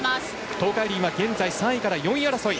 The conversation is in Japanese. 東海林は現在３位から４位争い。